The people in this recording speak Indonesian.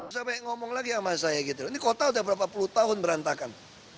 sampai ngomong lagi sama saya gitu loh ini kota udah berapa puluh tahun berantakan